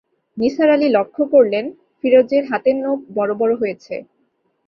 নিসার আলি লক্ষ করলেন, ফিরোজের হাতের নখ বড় বড় হয়েছে।